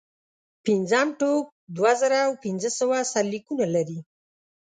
پنځم ټوک دوه زره پنځه سوه سرلیکونه لري.